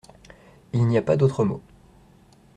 Il n’y a pas d’autre mot.